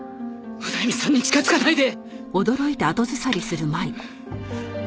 オダエミさんに近づかないで！